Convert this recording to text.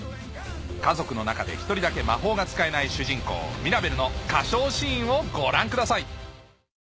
家族の中で一人だけ魔法が使えない主人公ミラベルの歌唱シーンをご覧ください